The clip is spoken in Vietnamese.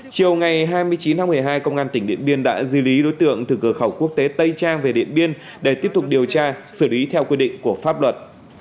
chiều ngày hai mươi chín tháng một mươi hai công an tỉnh điện biên đã di lý đối tượng từ cửa khẩu quốc tế tây trang về điện biên để tiếp tục điều tra xử lý theo quy định của pháp luật